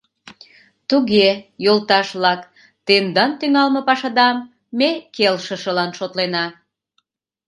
Туге, йолташ-влак, тендан тӱҥалме пашадам ме келшышылан шотлена.